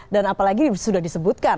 dan apalagi sudah disebutkan